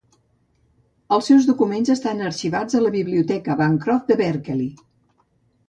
Els seus documents estan arxivats a la biblioteca Bancroft de Berkeley.